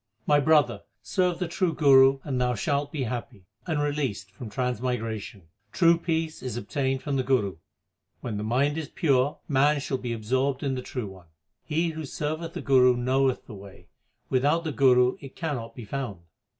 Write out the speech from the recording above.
My brother, serve the true Guru and thou shalt be happy, and released from transmigration. True peace is obtained from the Guru. When the mind is pure, man shall be absorbed in the True One. He who serveth the Guru knoweth the way ; without the Guru it cannot be found.